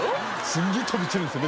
すごい飛び散るんですよね。